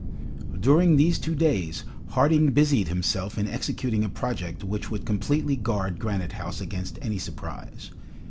During these two days Harding busied himself in executing a project which would completely guard Granite House against any surprise.